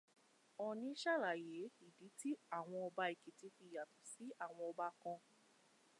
Ọọ̀ni ṣàlàyé ìdí tí àwọn ọba Èkìtì fi yàtọ̀ sí àwọn ọba kan.